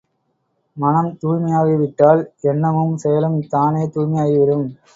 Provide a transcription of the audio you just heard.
மனம் தூய்மையாகி விட்டால் எண்ணமும், செயலும் தானே தூய்மையாகி விடும்.